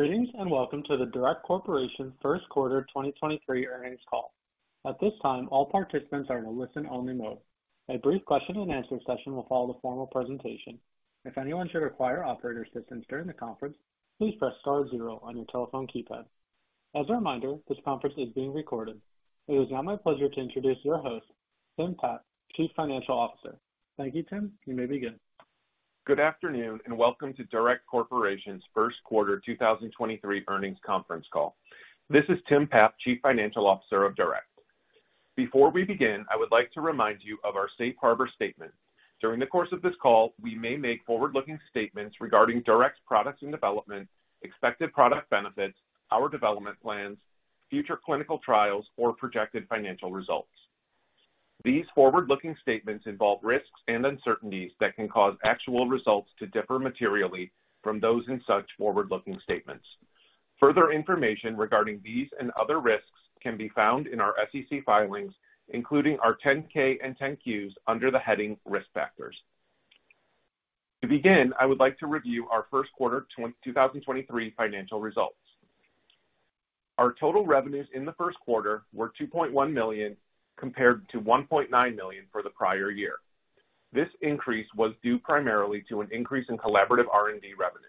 Greetings, welcome to the DURECT Corporation first quarter 2023 earnings call. At this time, all participants are in a listen-only mode. A brief question and answer session will follow the formal presentation. If anyone should require operator assistance during the conference, please press star zero on your telephone keypad. As a reminder, this conference is being recorded. It is now my pleasure to introduce your host, Tim Papp, Chief Financial Officer. Thank you, Tim. You may begin. Good afternoon, welcome to DURECT Corporation's first quarter 2023 earnings conference call. This is Tim Papp, Chief Financial Officer of DURECT. Before we begin, I would like to remind you of our safe harbor statement. During the course of this call, we may make forward-looking statements regarding DURECT's products in development, expected product benefits, our development plans, future clinical trials, or projected financial results. These forward-looking statements involve risks and uncertainties that can cause actual results to differ materially from those in such forward-looking statements. Further information regarding these and other risks can be found in our SEC filings, including our 10-K and 10-Qs under the heading Risk Factors. To begin, I would like to review our first quarter 2023 financial results. Our total revenues in the first quarter were $2.1 million, compared to $1.9 million for the prior year. This increase was due primarily to an increase in collaborative R&D revenue.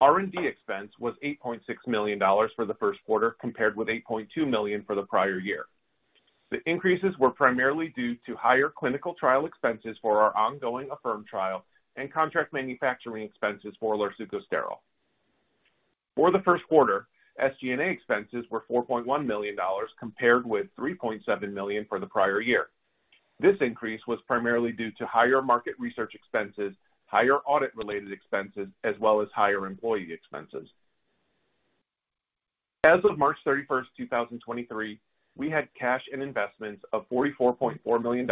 R&D expense was $8.6 million for the first quarter, compared with $8.2 million for the prior year. The increases were primarily due to higher clinical trial expenses for our ongoing AFFIRM trial and contract manufacturing expenses for larsucosterol. For the first quarter, SG&A expenses were $4.1 million compared with $3.7 million for the prior year. This increase was primarily due to higher market research expenses, higher audit-related expenses, as well as higher employee expenses. As of March 31st, 2023, we had cash and investments of $44.4 million,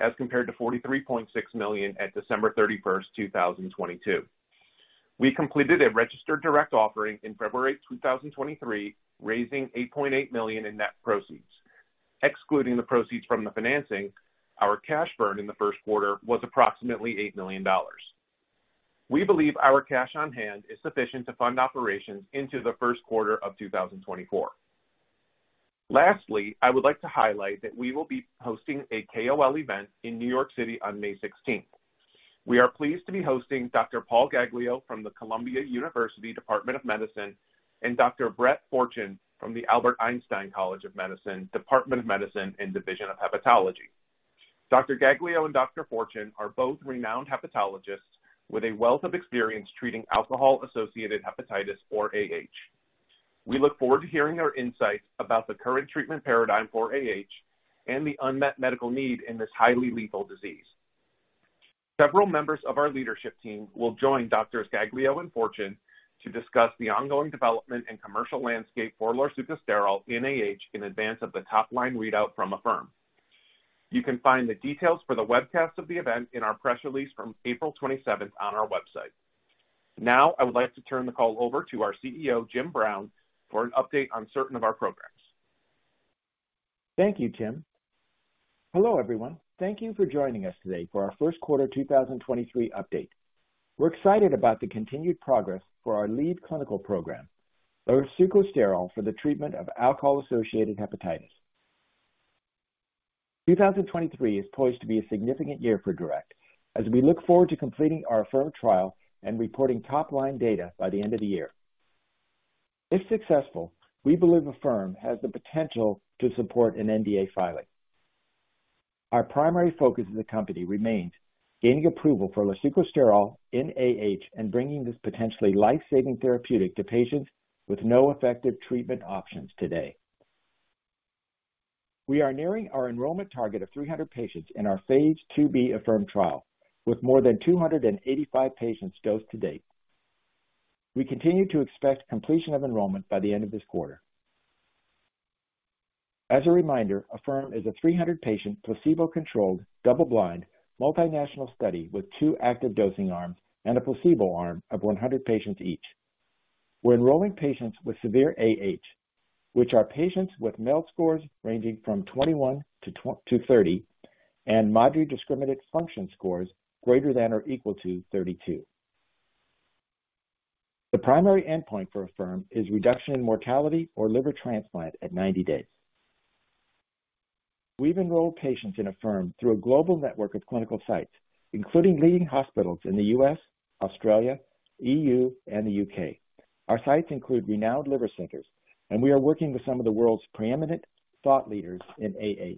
as compared to $43.6 million at December 31st, 2022. We completed a registered direct offering in February 2023, raising $8.8 million in net proceeds. Excluding the proceeds from the financing, our cash burn in the first quarter was approximately $8 million. We believe our cash on hand is sufficient to fund operations into the first quarter of 2024. Lastly, I would like to highlight that we will be hosting a KOL event in New York City on May 16th. We are pleased to be hosting Dr. Paul Gaglio from the Columbia University Department of Medicine and Dr. Brett Fortune from the Albert Einstein College of Medicine, Department of Medicine, and Division of Hepatology. Dr. Gaglio and Dr. Fortune are both renowned hepatologists with a wealth of experience treating alcohol associated hepatitis, or AH. We look forward to hearing their insights about the current treatment paradigm for AH and the unmet medical need in this highly lethal disease. Several members of our leadership team will join Doctors Gaglio and Fortune to discuss the ongoing development and commercial landscape for larsucosterol in AH in advance of the top line readout from AFFIRM. You can find the details for the webcast of the event in our press release from April 27th on our website. Now I would like to turn the call over to our CEO, Jim Brown, for an update on certain of our programs. Thank you, Tim. Hello, everyone. Thank you for joining us today for our first quarter 2023 update. We're excited about the continued progress for our lead clinical program, larsucosterol, for the treatment of alcohol-associated hepatitis. 2023 is poised to be a significant year for DURECT as we look forward to completing our AFFIRM trial and reporting top line data by the end of the year. If successful, we believe AFFIRM has the potential to support an NDA filing. Our primary focus as a company remains gaining approval for larsucosterol in AH and bringing this potentially life-saving therapeutic to patients with no effective treatment options today. We are nearing our enrollment target of 300 patients in our phase IIB AFFIRM trial with more than 285 patients dosed to date. We continue to expect completion of enrollment by the end of this quarter. As a reminder, AFFIRM is a 300-patient, placebo-controlled, double-blind, multinational study with two active dosing arms and a placebo arm of 100 patients each. We're enrolling patients with severe AH, which are patients with MELD scores ranging from 21-30 and Maddrey's Discriminant Function scores greater than or equal to 32. The primary endpoint for AFFIRM is reduction in mortality or liver transplant at 90 days. We've enrolled patients in AFFIRM through a global network of clinical sites, including leading hospitals in the U.S., Australia, EU and the U.K. Our sites include renowned liver centers, we are working with some of the world's preeminent thought leaders in AH.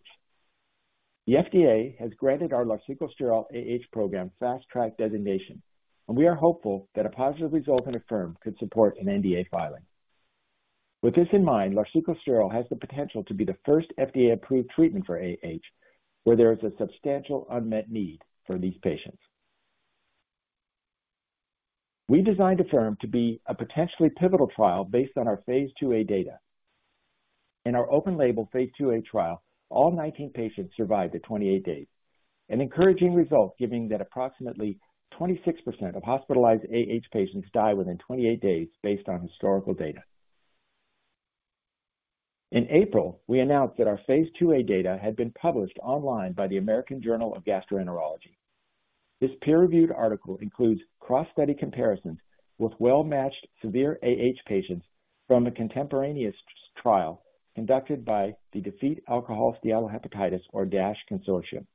The FDA has granted our larsucosterol AH program Fast Track designation, and we are hopeful that a positive result in AFFIRM could support an NDA filing. With this in mind, larsucosterol has the potential to be the first FDA-approved treatment for AH, where there is a substantial unmet need for these patients. We designed AFFIRM to be a potentially pivotal trial based on our phase IIA data. In our open label phase IIA trial, all 19 patients survived at 28 days, an encouraging result given that approximately 26% of hospitalized AH patients die within 28 days based on historical data. In April, we announced that our phase IIA data had been published online by the American Journal of Gastroenterology. This peer-reviewed article includes cross-study comparisons with well-matched severe AH patients from a contemporaneous trial conducted by the Defeat Alcoholic Steatohepatitis or DASH Consortium.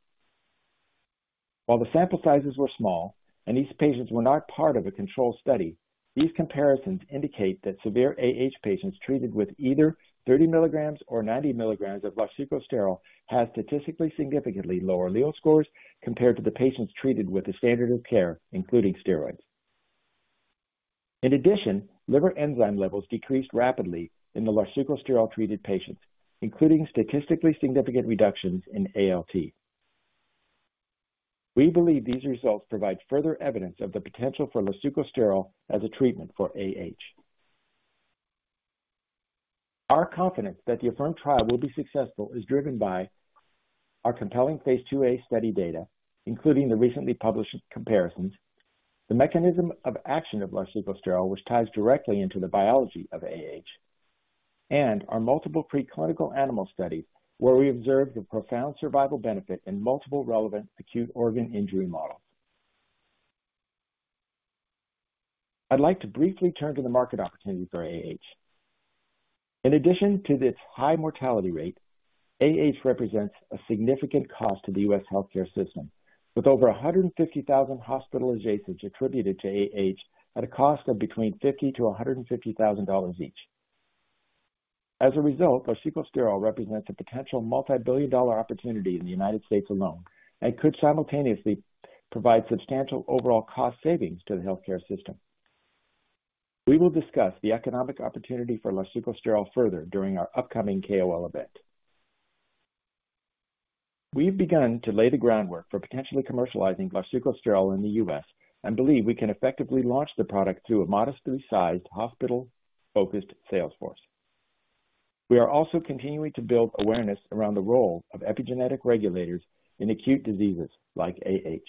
While the sample sizes were small and these patients were not part of a controlled study, these comparisons indicate that severe AH patients treated with either 30 milligrams or 90 milligrams of larsucosterol have statistically significantly lower Lille scores compared to the patients treated with the standard of care, including steroids. In addition, liver enzyme levels decreased rapidly in the larsucosterol-treated patients, including statistically significant reductions in ALT. We believe these results provide further evidence of the potential for larsucosterol as a treatment for AH. Our confidence that the AFFIRM trial will be successful is driven by our compelling phase 2A study data, including the recently published comparisons, the mechanism of action of larsucosterol, which ties directly into the biology of AH, and our multiple preclinical animal studies where we observed a profound survival benefit in multiple relevant acute organ injury models. I'd like to briefly turn to the market opportunity for AH. In addition to this high mortality rate, AH represents a significant cost to the US healthcare system, with over 150,000 hospitalizations attributed to AH at a cost of between $50,000-$150,000 each. As a result, larsucosterol represents a potential multi-billion dollar opportunity in the United States alone and could simultaneously provide substantial overall cost savings to the healthcare system. We will discuss the economic opportunity for larsucosterol further during our upcoming KOL event. We've begun to lay the groundwork for potentially commercializing larsucosterol in the US and believe we can effectively launch the product through a modestly sized hospital-focused sales force. We are also continuing to build awareness around the role of epigenetic regulators in acute diseases like AH.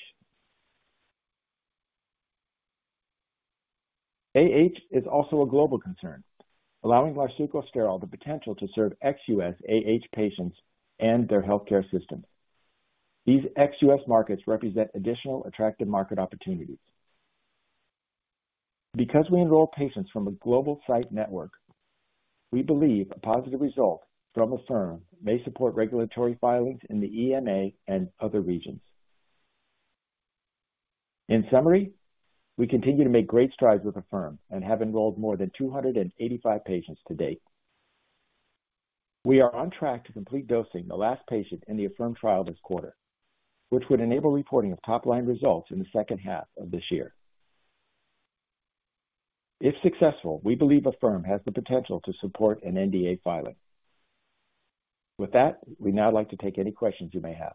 AH is also a global concern, allowing larsucosterol the potential to serve ex-US AH patients and their healthcare system. These ex-US markets represent additional attractive market opportunities. Because we enroll patients from a global site network, we believe a positive result from AFFIRM may support regulatory filings in the EMA and other regions. In summary, we continue to make great strides with AFFIRM and have enrolled more than 285 patients to date. We are on track to complete dosing the last patient in the AFFIRM trial this quarter, which would enable reporting of top-line results in the second half of this year. If successful, we believe AFFIRM has the potential to support an NDA filing. We'd now like to take any questions you may have.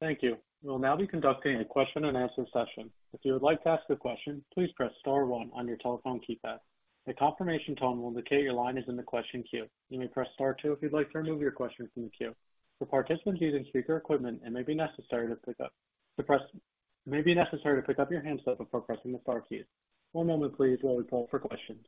Thank you. We'll now be conducting a question and answer session. If you would like to ask a question, please press star one on your telephone keypad. A confirmation tone will indicate your line is in the question queue. You may press star two if you'd like to remove your question from the queue. For participants using speaker equipment, it may be necessary to pick up your handset before pressing the star keys. One moment please, while we call for questions.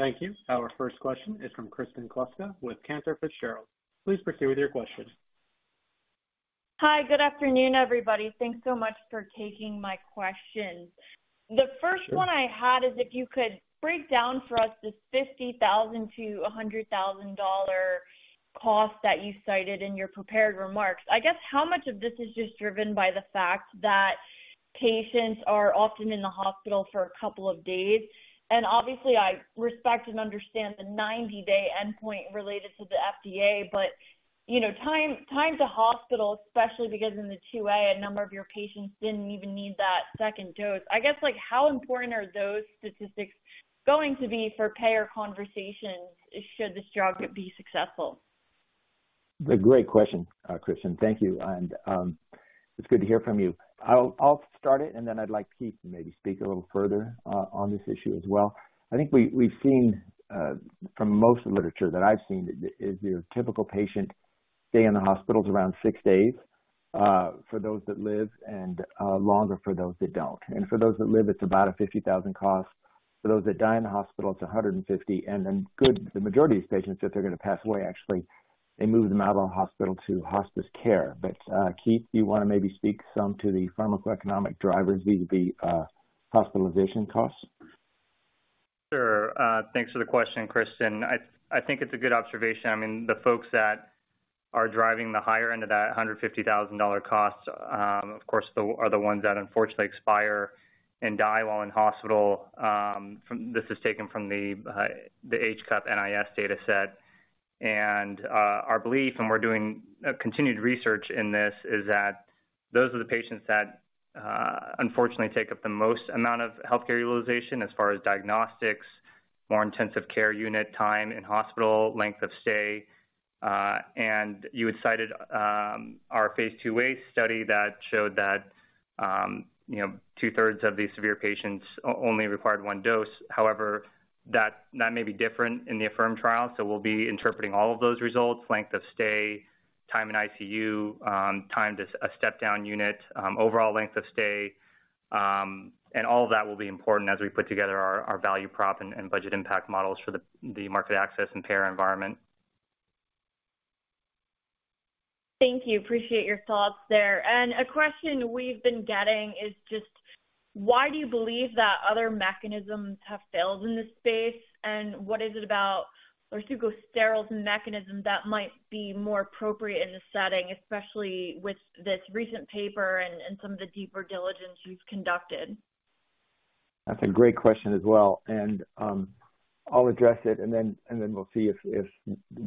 Thank you. Our first question is from Kristen Kluska with Cantor Fitzgerald. Please proceed with your question. Hi. Good afternoon, everybody. Thanks so much for taking my questions. Sure. The first one I had is if you could break down for us this $50,000-$100,000 cost that you cited in your prepared remarks. I guess how much of this is just driven by the fact that patients are often in the hospital for a couple of days? Obviously I respect and understand the 90-day endpoint related to the FDA, but, you know, time to hospital, especially because in the two A, a number of your patients didn't even need that second dose. I guess, like how important are those statistics going to be for payer conversations should this drug be successful? A great question, Kristen. Thank you. It's good to hear from you. I'll start it, and then I'd like Keith to maybe speak a little further on this issue as well. I think we've seen from most of the literature that I've seen is your typical patient stay in the hospital is around six days for those that live and longer for those that don't. For those that live, it's about a $50,000 cost. For those that die in the hospital, it's $150,000. The majority of patients, if they're gonna pass away, actually, they move them out of the hospital to hospice care. Keith, do you wanna maybe speak some to the pharmacoeconomic drivers vis-a-vis hospitalization costs? Sure. Thanks for the question, Kristin. I think it's a good observation. I mean, the folks that are driving the higher end of that $150,000 cost, of course, are the ones that unfortunately expire and die while in hospital. This is taken from the HCUP NIS dataset. Our belief, and we're doing continued research in this, is that those are the patients that unfortunately take up the most amount of healthcare utilization as far as diagnostics, more intensive care unit time in hospital, length of stay. You had cited our phase two A study that showed that, you know, two-thirds of these severe patients only required 1 dose. However, that may be different in the AFFIRM trial. We'll be interpreting all of those results, length of stay, Time in ICU, time to a step-down unit, overall length of stay, and all of that will be important as we put together our value prop and budget impact models for the market access and payer environment. Thank you. Appreciate your thoughts there. A question we've been getting is just why do you believe that other mechanisms have failed in this space? What is it about larsucosterol's mechanism that might be more appropriate in this setting, especially with this recent paper and some of the deeper diligence you've conducted? That's a great question as well. I'll address it and then, and then we'll see if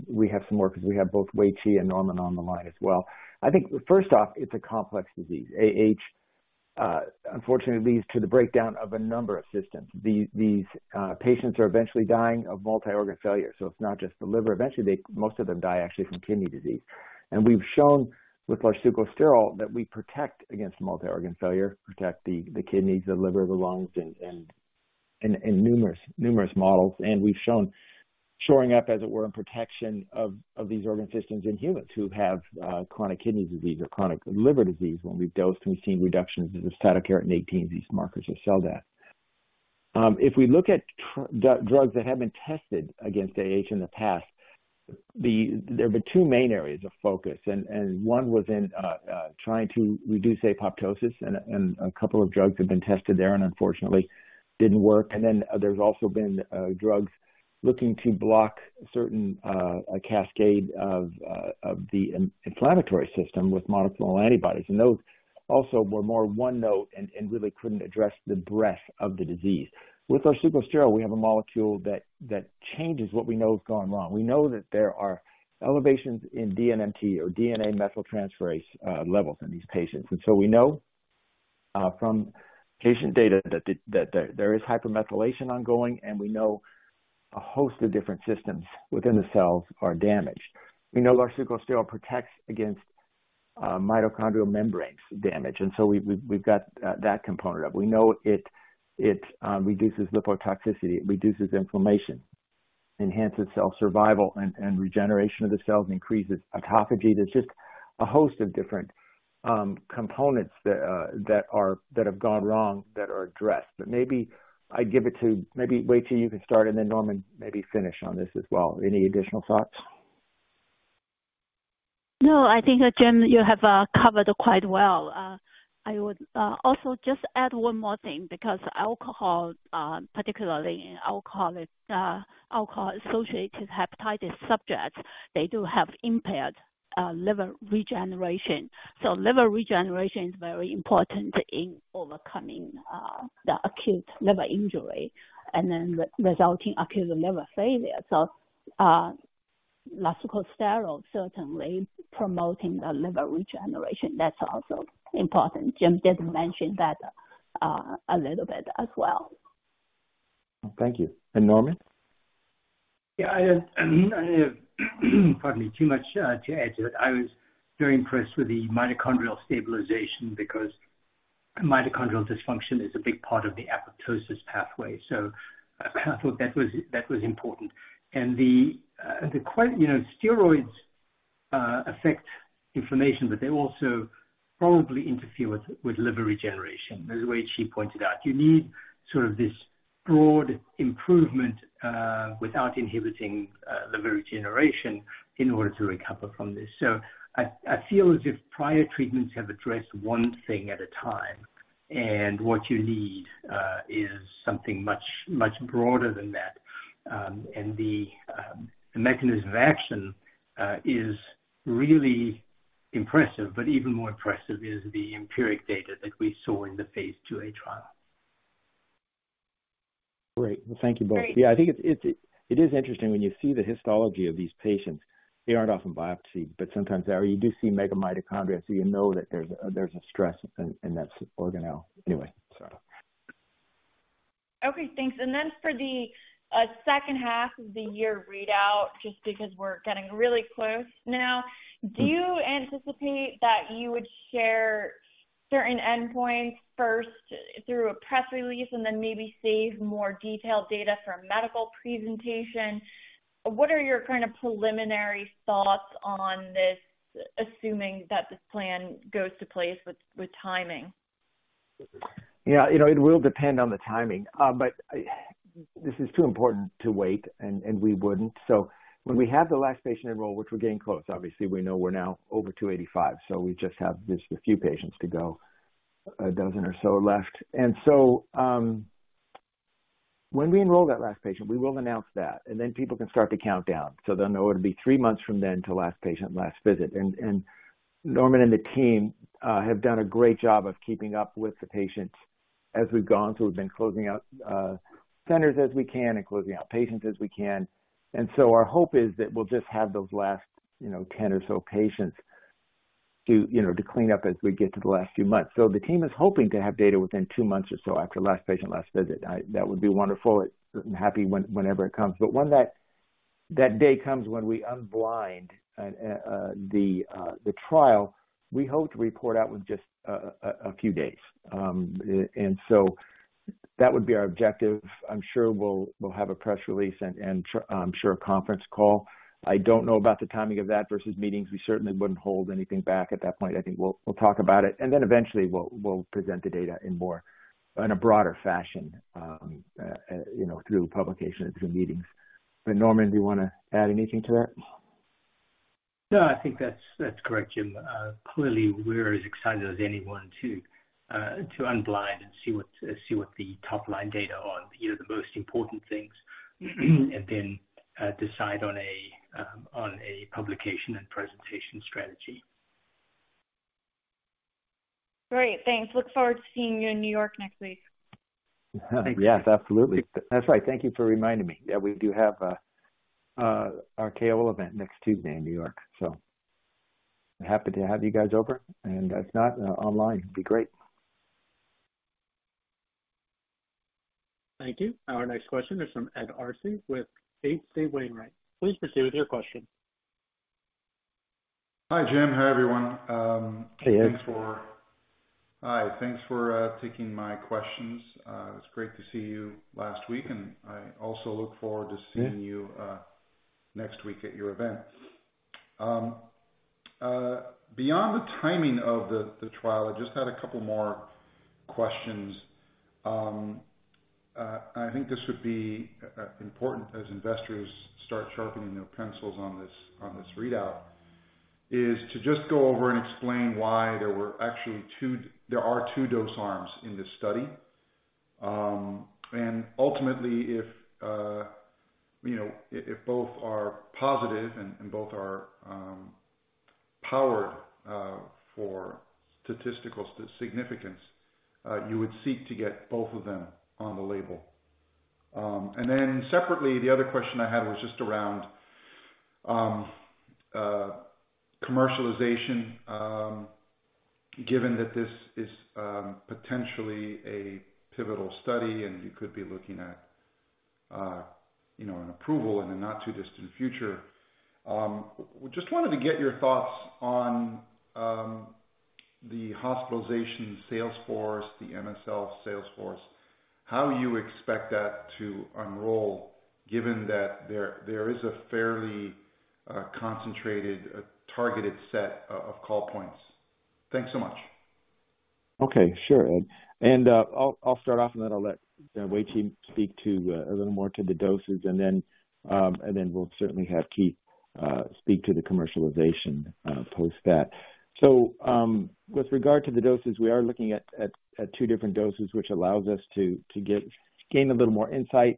we have some more because we have both WeiQi and Norman on the line as well. I think first off, it's a complex disease. AH, unfortunately leads to the breakdown of a number of systems. These patients are eventually dying of multi-organ failure, so it's not just the liver. Eventually, most of them die actually from kidney disease. We've shown with larsucosterol that we protect against multi-organ failure, protect the kidneys, the liver, the lungs, and numerous models. We've shown shoring up, as it were, in protection of these organ systems in humans who have chronic kidney disease or chronic liver disease when we've dosed and we've seen reductions in the cytokeratin-18, these markers of cell death. If we look at drugs that have been tested against AH in the past, there have been two main areas of focus. One was in trying to reduce apoptosis. A couple of drugs have been tested there and unfortunately didn't work. There's also been drugs looking to block certain cascade of the inflammatory system with monoclonal antibodies. Those also were more one note and really couldn't address the breadth of the disease. With larsucosterol, we have a molecule that changes what we know has gone wrong. We know that there are elevations in DNMT or DNA methyltransferase levels in these patients. We know from patient data that there is hypermethylation ongoing, and we know a host of different systems within the cells are damaged. We know larsucosterol protects against mitochondrial membranes damage. We've got that component up. We know it reduces lipotoxicity, it reduces inflammation, enhances cell survival and regeneration of the cells, and increases autophagy. There's just a host of different components that have gone wrong that are addressed. Maybe I give it to... Maybe, WeiQi, you can start and then Norman maybe finish on this as well. Any additional thoughts? No, I think, Jim, you have covered quite well. I would also just add one more thing because alcohol, particularly in alcoholic, alcohol-associated hepatitis subjects, they do have impaired liver regeneration. Liver regeneration is very important in overcoming the acute liver injury and then re-resulting acute liver failure. Larsucosterol certainly promoting the liver regeneration, that's also important. Jim did mention that a little bit as well. Thank you. Norman? I have, pardon me. Too much to add to it. I was very impressed with the mitochondrial stabilization because mitochondrial dysfunction is a big part of the apoptosis pathway. I thought that was important. The, you know, steroids affect inflammation, but they also probably interfere with liver regeneration, as WeiQi pointed out. You need sort of this broad improvement without inhibiting liver regeneration in order to recover from this. I feel as if prior treatments have addressed one thing at a time, and what you need is something much broader than that. The mechanism of action is really impressive, but even more impressive is the empiric data that we saw in the phase IIA trial. Great. Well, thank you both. Great. Yeah. I think it is interesting when you see the histology of these patients. They aren't often biopsied, but sometimes there you do see mega mitochondria, so you know that there's a stress in that organelle anyway. Sorry. Okay. Thanks. For the second half of the year readout, just because we're getting really close now, do you anticipate that you would share certain endpoints first through a press release and then maybe save more detailed data for a medical presentation? What are your kind of preliminary thoughts on this, assuming that this plan goes to place with timing? Yeah. You know, it will depend on the timing. This is too important to wait, and we wouldn't. When we have the last patient enrolled, which we're getting close, obviously we know we're now over 285, so we just have just a few patients to go, a dozen or so left. When we enroll that last patient, we will announce that, and then people can start the countdown, so they'll know it'll be three months from then to last patient, last visit. Norman and the team have done a great job of keeping up with the patients as we've gone. We've been closing out centers as we can and closing out patients as we can. Our hope is that we'll just have those last, you know, 10 or so patients to, you know, to clean up as we get to the last few months. The team is hoping to have data within two months or so after last patient, last visit. That would be wonderful. I'm happy whenever it comes. One that day comes when we unblind the trial. We hope to report out with just a few days. That would be our objective. I'm sure we'll have a press release and I'm sure a conference call. I don't know about the timing of that versus meetings. We certainly wouldn't hold anything back at that point. I think we'll talk about it, eventually we'll present the data in more... in a broader fashion, you know, through publication and through meetings. Norman, do you wanna add anything to that? No, I think that's correct, Jim. Clearly we're as excited as anyone to unblind and see what the top line data on, you know, the most important things, then decide on a publication and presentation strategy. Great. Thanks. Look forward to seeing you in New York next week. Yes, absolutely. That's right, thank you for reminding me. Yeah, we do have our KO event next Tuesday in New York. Happy to have you guys over, and if not, online would be great. Thank you. Our next question is from Ed Arce with H.C. Wainwright. Please proceed with your question. Hi, Jim. Hi, everyone. Hey, Ed. Hi. Thanks for taking my questions. It's great to see you last week, and I also look forward to seeing you next week at your event. Beyond the timing of the trial, I just had a couple more questions. I think this would be important as investors start sharpening their pencils on this readout, is to just go over and explain why there were actually two... there are two dose arms in this study. Ultimately, if, you know, if both are positive and both are powered for statistical significance, you would seek to get both of them on the label. Then separately, the other question I had was just around commercialization. Given that this is potentially a pivotal study and you could be looking at, you know, an approval in the not too distant future, just wanted to get your thoughts on the hospitalization sales force, the MSL sales force, how you expect that to unroll given that there is a fairly concentrated, targeted set of call points. Thanks so much. Okay, sure, Ed. I'll start off and then I'll let WeiQi speak to a little more to the doses and then, and then we'll certainly have Keith speak to the commercialization post that. With regard to the doses, we are looking at two different doses, which allows us to gain a little more insight.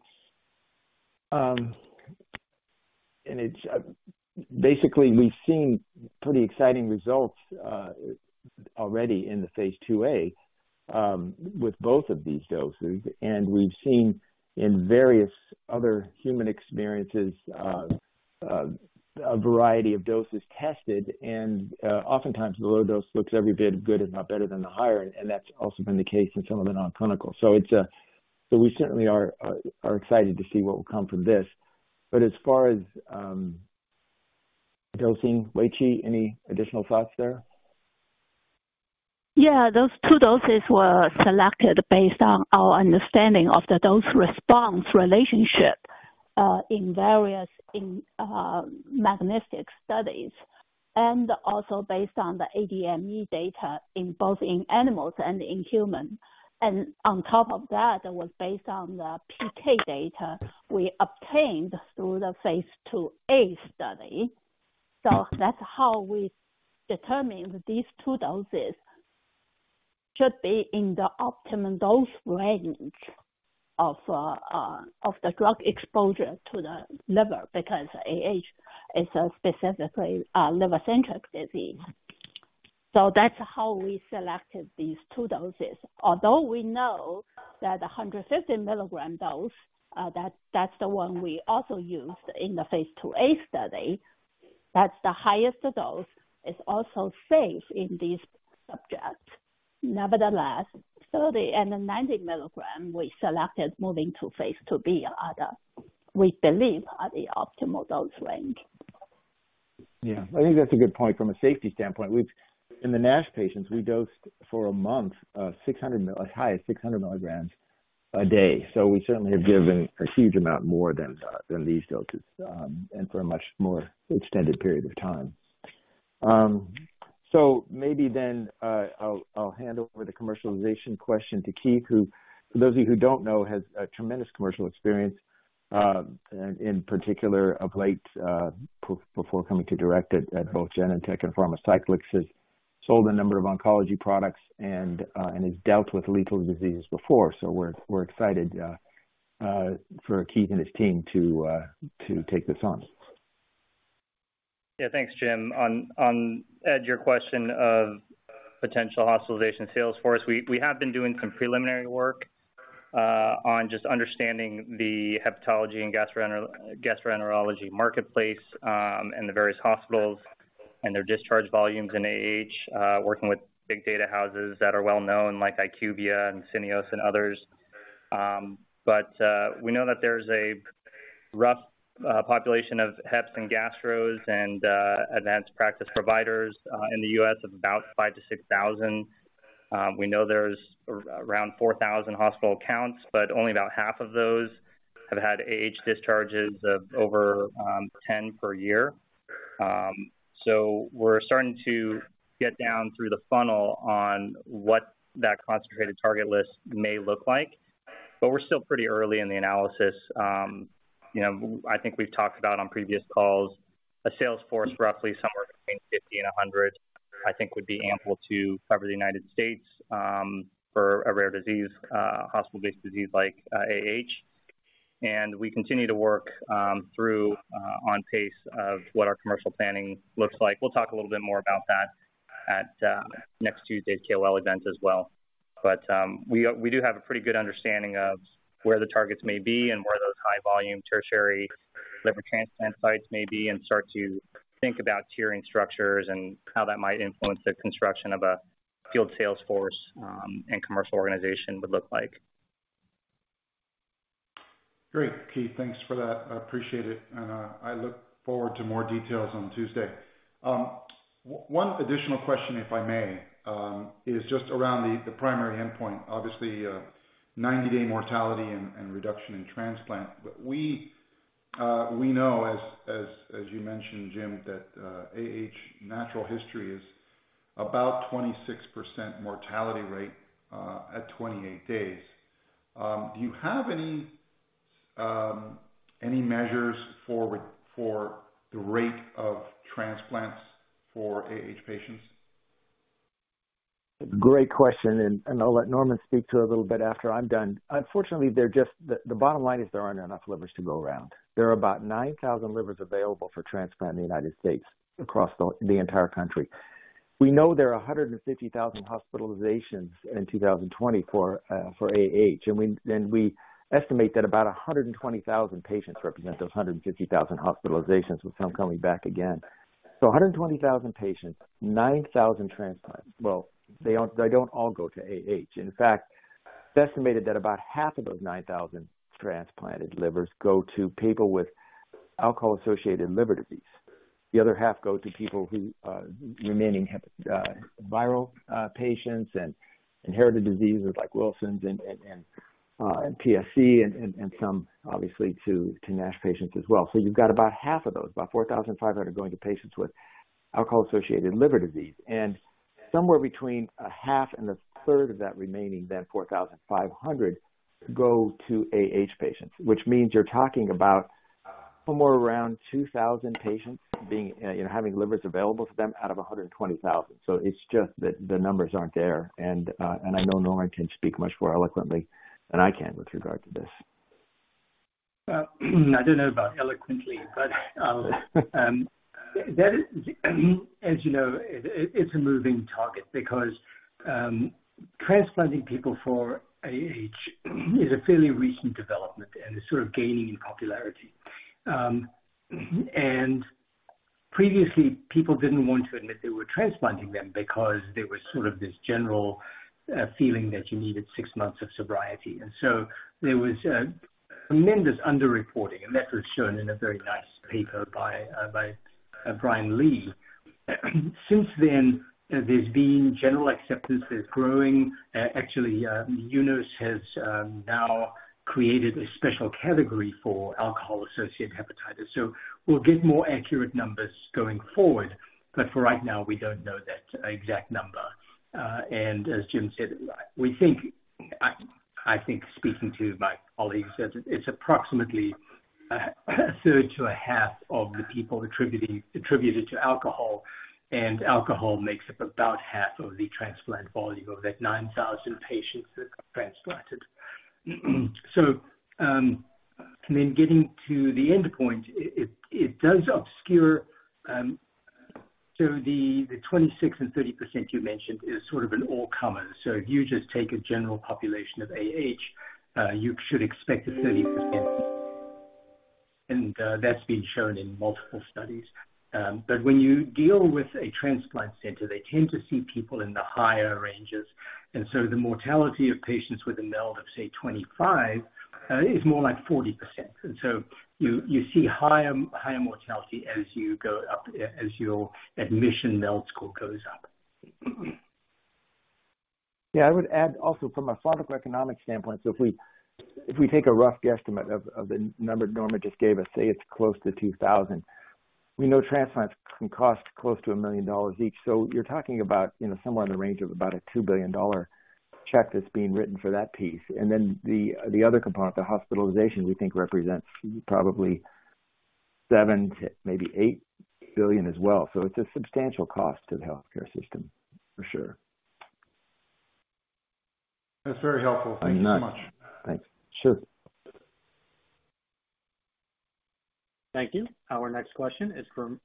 It's basically we've seen pretty exciting results already in the phase 2A, with both of these doses. We've seen in various other human experiences, a variety of doses tested, and oftentimes the lower dose looks every bit good if not better than the higher, and that's also been the case in some of the non-clinical. It's, we certainly are excited to see what will come from this. As far as, dosing, WeiQi, any additional thoughts there? Those two doses were selected based on our understanding of the dose-response relationship in various magnetic studies, and also based on the ADME data in both animals and in human. On top of that, it was based on the PK data we obtained through the phase 2A study. That's how we determined these two doses should be in the optimum dose range of the drug exposure to the liver, because AH is a specifically liver-centric disease. That's how we selected these two doses. Although we know that the 150 milligram dose, that's the one we also used in the phase IIA study. That's the highest dose. It's also safe in these subjects. Nevertheless, 30 and the 90 milligram we selected moving to phase IIB are the, we believe, optimal dose range. I think that's a good point from a safety standpoint. In the NASH patients, we dosed for a month, as high as 600 milligrams a day. We certainly have given a huge amount more than these doses and for a much more extended period of time. Maybe I'll hand over the commercialization question to Keith, who, for those of you who don't know, has a tremendous commercial experience, in particular of late, before coming to DURECT at both Genentech and Pharmacyclics. He's sold a number of oncology products and has dealt with lethal disease before. We're excited for Keith and his team to take this on. Thanks, Jim. On Ed, your question of potential hospitalization sales force. We have been doing some preliminary work on just understanding the hepatology and gastroenterology marketplace, and the various hospitals and their discharge volumes in AH, working with big data houses that are well known, like IQVIA and Syneos and others. We know that there's a rough population of heps and gastros and advanced practice providers in the U.S. of about 5,000-6,000. We know there's around 4,000 hospital accounts, but only about half of those have had AH discharges of over 10 per year. We're starting to get down through the funnel on what that concentrated target list may look like, but we're still pretty early in the analysis. you know, I think we've talked about on previous calls, a sales force roughly somewhere between 50 and 100, I think would be ample to cover the United States for a rare disease, hospital-based disease like AH. We continue to work through on pace of what our commercial planning looks like. We'll talk a little bit more about that at next Tuesday's KOL event as well. We do have a pretty good understanding of where the targets may be and where those high volume tertiary liver transplant sites may be, and start to think about tiering structures and how that might influence the construction of a field sales force and commercial organization would look like. Great, Keith. Thanks for that. I appreciate it. I look forward to more details on Tuesday. One additional question, if I may, is just around the primary endpoint. Obviously, 90-day mortality and reduction in transplant. We know as you mentioned, Jim, that AH natural history is about 26% mortality rate at 28 days. Do you have any measures for the rate of transplants for AH patients? Great question, I'll let Norman speak to it a little bit after I'm done. Unfortunately, the bottom line is there aren't enough livers to go around. There are about 9,000 livers available for transplant in the United States across the entire country. We know there are 150,000 hospitalizations in 2020 for AH. We estimate that about 120,000 patients represent those 150,000 hospitalizations, with some coming back again. 120,000 patients, 9,000 transplants. They don't all go to AH. It's estimated that about half of those 9,000 transplanted livers go to people with alcohol-associated liver disease. The other half go to people who, remaining viral patients and inherited diseases like Wilson's and PSC and some obviously to NASH patients as well. You've got about half of those, about 4,500 going to patients with alcohol-associated liver disease. Somewhere between a half and a third of that remaining then 4,500 go to AH patients, which means you're talking about somewhere around 2,000 patients being, you know, having livers available to them out of 120,000. It's just that the numbers aren't there. I know Norman can speak much more eloquently than I can with regard to this. I don't know about eloquently, that is, as you know, it's a moving target because transplanting people for AH is a fairly recent development, it's sort of gaining in popularity. Previously, people didn't want to admit they were transplanting them because there was sort of this general feeling that you needed six months of sobriety. There was tremendous underreporting, and that was shown in a very nice paper by Brian Lee. Since then, there's been general acceptance. They're growing. Actually, UNOS has now created a special category for alcohol associated hepatitis. We'll get more accurate numbers going forward, but for right now, we don't know that exact number. As Jim said, we think... I think speaking to my colleagues, that it's approximately a third to a half of the people attributing, attribute it to alcohol, and alcohol makes up about half of the transplant volume of that 9,000 patients that got transplanted. Getting to the endpoint, it does obscure, the 26% and 30% you mentioned is sort of an all-comer. If you just take a general population of AH, you should expect a 30%. That's been shown in multiple studies. When you deal with a transplant center, they tend to see people in the higher ranges. The mortality of patients with a MELD of, say, 25, is more like 40%. You see higher mortality as you go up, as your admission MELD score goes up. Yeah. I would add also from a pharmacoeconomic standpoint, if we take a rough guesstimate of the n-number Norman just gave us, say it's close to 2,000. We know transplants can cost close to $1 million each. You're talking about, you know, somewhere in the range of about a $2 billion check that's being written for that piece. The other component, the hospitalization we think represents probably $7 billion-$8 billion as well. It's a substantial cost to the healthcare system, for sure. That's very helpful. Thank you so much. I know. Thanks. Sure. Thank you. Our next question is from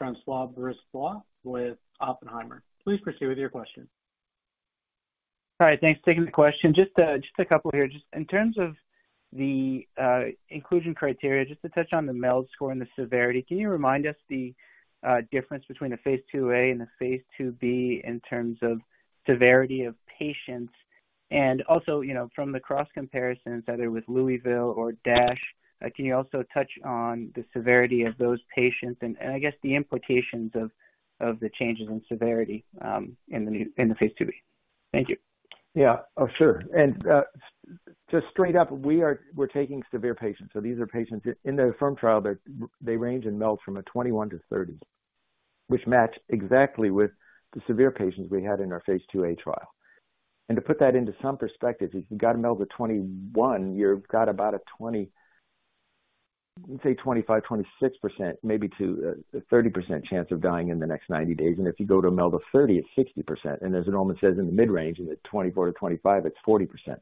François Brisebois with Oppenheimer. Please proceed with your question. All right, thanks. Taking the question, just a couple here. Just in terms of the inclusion criteria, just to touch on the MELD score and the severity. Can you remind us the difference between the phase IIA and the phase IIB in terms of severity of patients? Also, you know, from the cross comparisons, either with Louisville or DASH, can you also touch on the severity of those patients and I guess the implications of the changes in severity in the phase 2B. Thank you. Oh, sure. So straight up we're taking severe patients. These are patients in the AFFIRM trial that range in MELD from a 21 to 30, which match exactly with the severe patients we had in our phase IIA trial. To put that into some perspective, if you've got a MELD of 21, you've got about a 25%-26% maybe to a 30% chance of dying in the next 90 days. If you go to MELD of 30, it's 60%. As Norman says, in the mid-range, in the 24-25, it's 40%.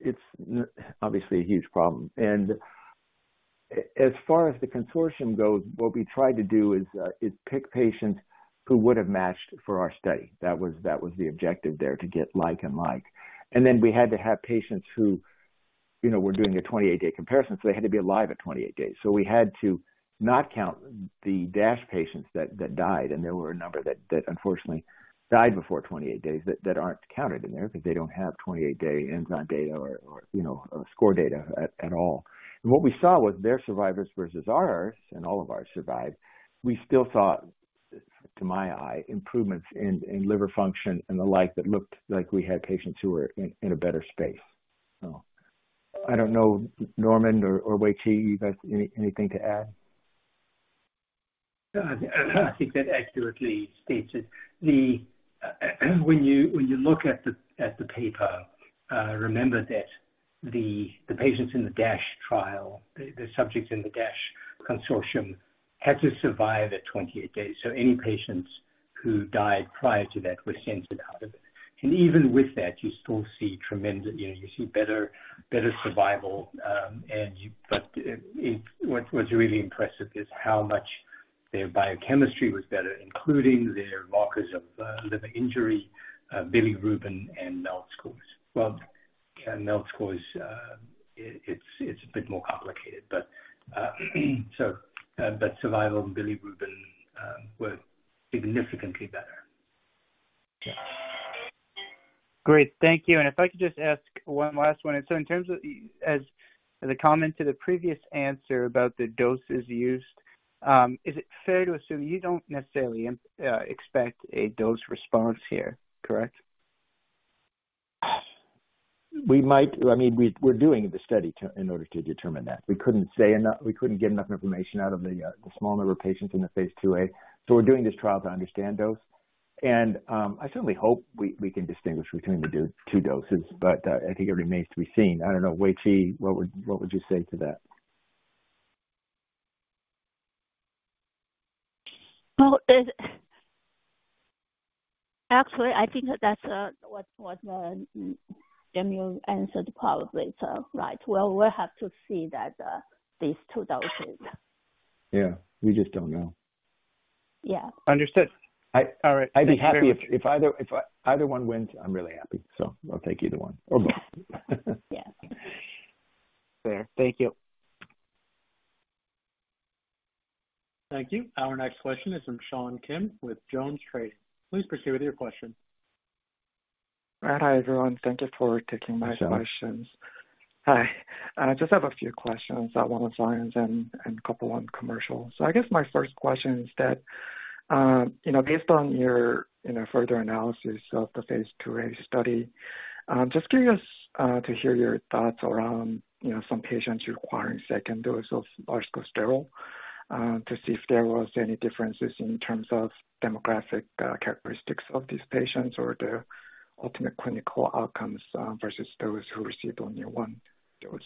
It's obviously a huge problem. As far as the consortium goes, what we tried to do is pick patients who would have matched for our study. That was, that was the objective there, to get like and like. We had to have patients who, you know, we're doing a 28-day comparison, so they had to be alive at 28 days. We had to not count the DASH patients that died. There were a number that unfortunately died before 28 days that aren't counted in there because they don't have 28-day end zone data or you know, or score data at all. What we saw was their survivors versus ours, and all of ours survived. We still saw, to my eye, improvements in liver function and the like that looked like we had patients who were in a better space. I don't know, Norman or WeiQi, you guys any, anything to add? No. I think that accurately states it. When you, when you look at the, at the paper, remember that the patients in the DASH trial, the subjects in the DASH consortium had to survive at 28 days. Any patients who died prior to that were censored out of it. Even with that, you still see tremendous, you know, you see better survival. What's really impressive is how much their biochemistry was better, including their markers of liver injury, bilirubin and MELD scores. Well, MELD scores, it's a bit more complicated. Survival and bilirubin were significantly better. Great. Thank you. If I could just ask one last one. In terms of the comment to the previous answer about the doses used, is it fair to assume you don't necessarily expect a dose response here, correct? We might. I mean, we're doing the study to in order to determine that. We couldn't get enough information out of the small number of patients in the phase IIA. We're doing this trial to understand dose. I certainly hope we can distinguish between the two doses. I think it remains to be seen. I don't know. WeiQi, what would you say to that? Well, Actually, I think that's what Emil answered probably. right. Well, we'll have to see that, these two doses. Yeah. We just don't know. Yeah. Understood. I- All right. I'd be happy if either one wins, I'm really happy. I'll take either one or both. Yeah. Fair. Thank you. Thank you. Our next question is from Sean Kim with JonesTrading. Please proceed with your question. Hi, everyone. Thank Thank you for taking my questions. Hi, Sean. Hi. I just have a few questions, one on science and couple on commercial. I guess my first question is that, you know, based on your, you know, further analysis of the phase IIA study, I'm just curious to hear your thoughts around, you know, some patients requiring second dose of prednisolone to see if there was any differences in terms of demographic characteristics of these patients or the ultimate clinical outcomes versus those who received only one dose.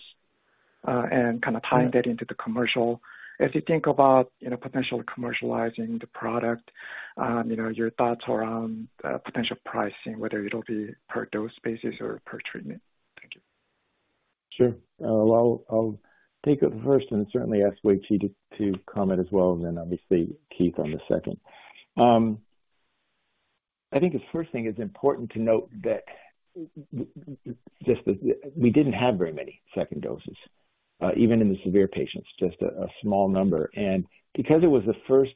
Kinda tying that into the commercial. If you think about, you know, potentially commercializing the product, you know, your thoughts around potential pricing, whether it'll be per dose basis or per treatment. Thank you. Sure. Well, I'll take it first and certainly ask WeiQi to comment as well, and then obviously Keith on the second. I think the first thing, it's important to note that just that we didn't have very many second doses, even in the severe patients, just a small number. Because it was the first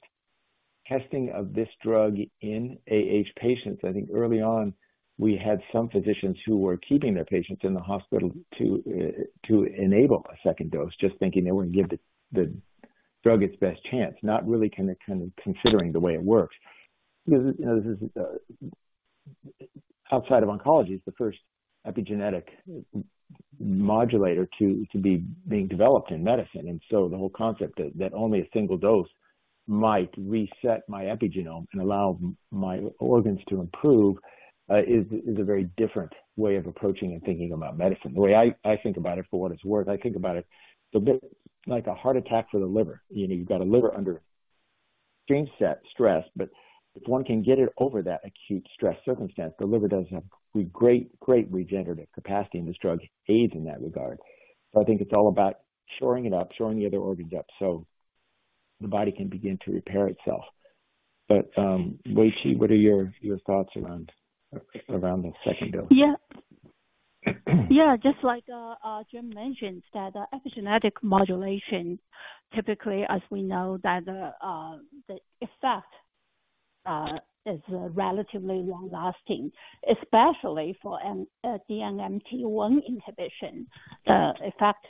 testing of this drug in AH patients, I think early on we had some physicians who were keeping their patients in the hospital to enable a second dose, just thinking they want to give the drug its best chance, not really kinda considering the way it works. You know, this is outside of oncology, it's the first epigenetic modulator to be developed in medicine. The whole concept that only a single dose might reset my epigenome and allow my organs to improve is a very different way of approaching and thinking about medicine. The way I think about it, for what it's worth, I think about it a bit like a heart attack for the liver. You know, you've got a liver under extreme stress, but if one can get it over that acute stress circumstance, the liver does have great regenerative capacity, and this drug aids in that regard. I think it's all about shoring it up, shoring the other organs up. The body can begin to repair itself. WeiQi, what are your thoughts around the second dose? Yeah, just like Jim mentioned that epigenetic modulation typically, as we know, that the effect is relatively long-lasting, especially for an DNMT1 inhibition. The effect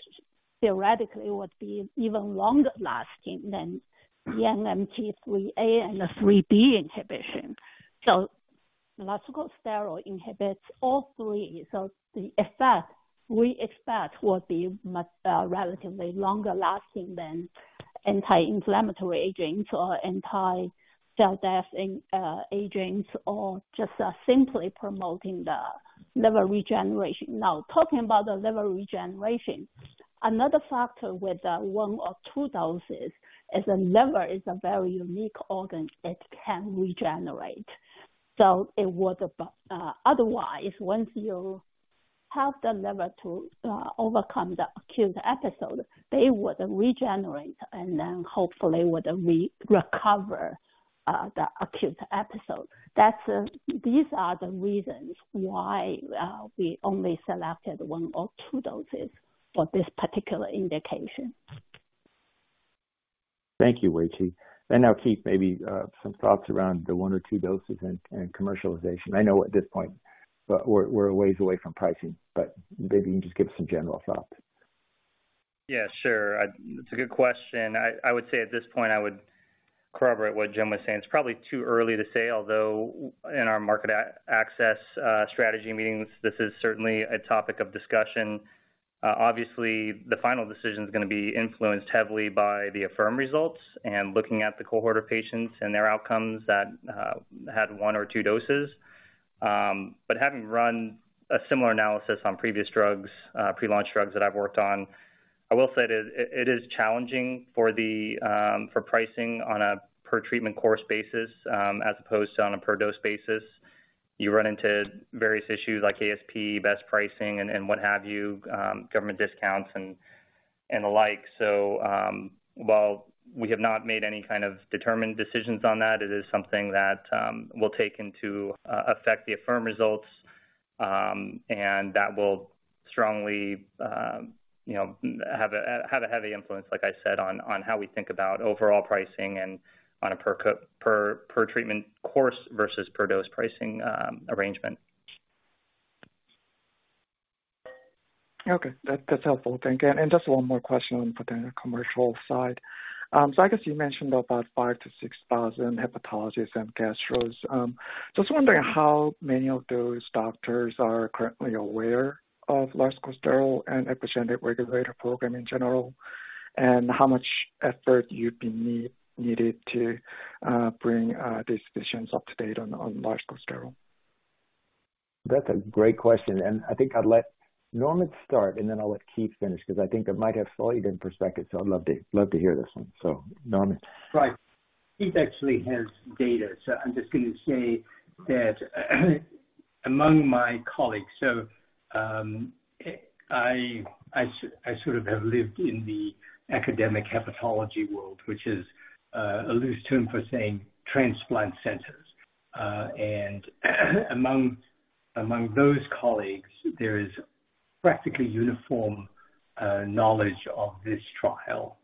theoretically would be even longer lasting than DNMT 3A and 3B inhibition. larsucosterol inhibits all three, so the effect we expect will be much relatively longer lasting than anti-inflammatory agents or anti-cell death in agents, or just simply promoting the liver regeneration. Talking about the liver regeneration, another factor with the one or two doses is the liver is a very unique organ, it can regenerate. It would otherwise, once you help the liver to overcome the acute episode, they would regenerate and then hopefully would re-recover the acute episode. These are the reasons why we only selected one or two doses for this particular indication. Thank you, WeiQi. Now, Keith, maybe some thoughts around the one or two doses and commercialization. I know at this point, but we're a ways away from pricing, maybe you can just give us some general thoughts. Yeah, sure. It's a good question. I would say at this point, I would corroborate what Jim was saying. It's probably too early to say, although in our market access strategy meetings, this is certainly a topic of discussion. Obviously, the final decision is gonna be influenced heavily by the AFFIRM results and looking at the cohort of patients and their outcomes that had one or two doses. Having run a similar analysis on previous drugs, pre-launch drugs that I've worked on, I will say it is challenging for the for pricing on a per treatment course basis, as opposed to on a per dose basis. You run into various issues like ASP, best pricing and what have you, government discounts and the like. While we have not made any kind of determined decisions on that, it is something that we'll take into effect the AFFIRM results, and that will strongly, you know, have a, have a heavy influence, like I said, on how we think about overall pricing and on a per treatment course versus per dose pricing arrangement. Okay. That's helpful. Thank you. Just one more question on the commercial side. I guess you mentioned about 5,000-6,000 hepatologists and gastros. I was wondering how many of those doctors are currently aware of larsucosterol and epigenetic regulator program in general, and how much effort you believe needed to bring these physicians up to date on larsucosterol? That's a great question, and I think I'd let Norman start, and then I'll let Keith finish because I think it might have slightly different perspectives, so I'd love to, love to hear this one. Norman. Keith actually has data, so I'm just gonna say that among my colleagues, so, I sort of have lived in the academic hepatology world, which is a loose term for saying transplant centers. Among those colleagues, there is practically uniform knowledge of this trial.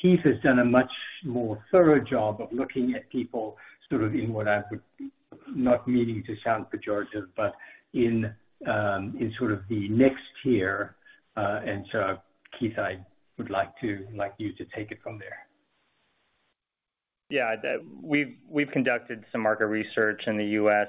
Keith has done a much more thorough job of looking at people sort of in what I would, not meaning to sound pejorative, but in sort of the next tier. Keith, I would like to, like you to take it from there. Yeah. We've conducted some market research in the US,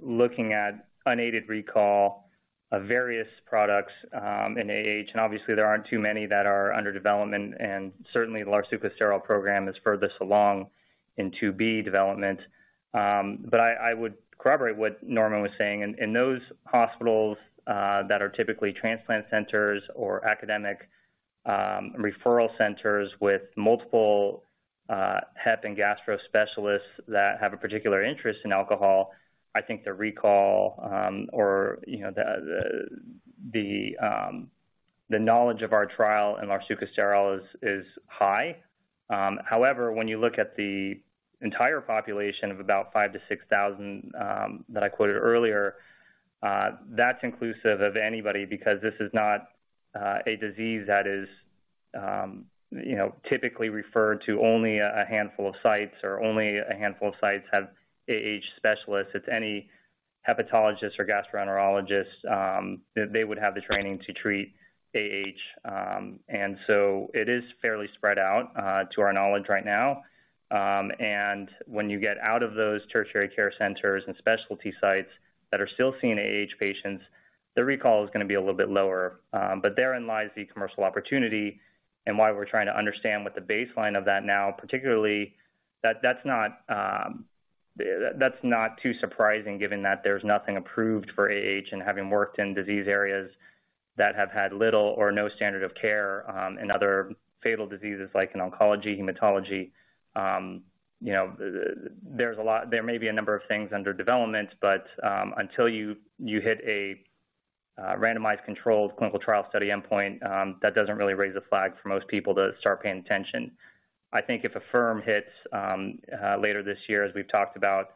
looking at unaided recall of various products in AH. Obviously there aren't too many that are under development, and certainly the larsucosterol program is furthest along in 2B development. I would corroborate what Norman was saying. In those hospitals that are typically transplant centers or academic referral centers with multiple hep and gastro specialists that have a particular interest in alcohol, I think the recall, or, you know, the knowledge of our trial in larsucosterol is high. However, when you look at the entire population of about 5,000 to 6,000 that I quoted earlier, that's inclusive of anybody because this is not a disease that is, you know, typically referred to only a handful of sites or only a handful of sites have AH specialists. It's any hepatologist or gastroenterologist, they would have the training to treat AH. It is fairly spread out to our knowledge right now. When you get out of those tertiary care centers and specialty sites that are still seeing AH patients, the recall is gonna be a little bit lower. Therein lies the commercial opportunity and why we're trying to understand what the baseline of that now, particularly that's not too surprising given that there's nothing approved for AH and having worked in disease areas that have had little or no standard of care, in other fatal diseases like in oncology, hematology. You know, there may be a number of things under development, but, until you hit a randomized controlled clinical trial study endpoint, that doesn't really raise a flag for most people to start paying attention. I think if AFFIRM hits, later this year, as we've talked about,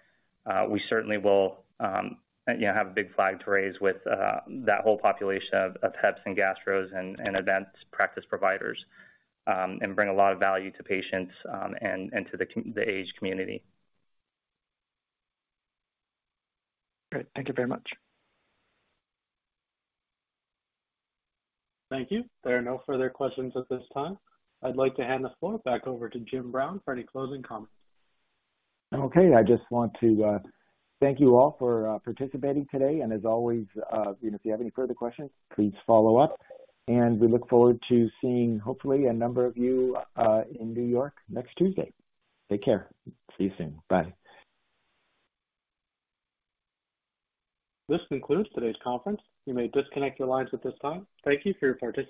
we certainly will, you know, have a big flag to raise with, that whole population of heps and gastros and advanced practice providers, and bring a lot of value to patients, and to the AH community. Great. Thank you very much. Thank you. There are no further questions at this time. I'd like to hand the floor back over to Jim Brown for any closing comments. Okay. I just want to thank you all for participating today. As always, you know, if you have any further questions, please follow up. We look forward to seeing hopefully a number of you in New York next Tuesday. Take care. See you soon. Bye. This concludes today's conference. You may disconnect your lines at this time. Thank you for your participation.